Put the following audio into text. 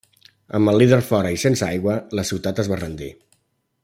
Amb el líder fora i sense aigua la ciutat es va rendir.